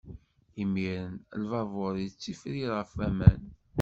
Imiren, lbabuṛ ittifrir ɣef waman.